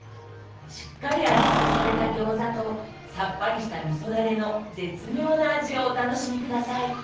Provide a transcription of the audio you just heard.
しっかり味付けされた餃子とさっぱりしたみそダレの絶妙な味をお楽しみ下さい。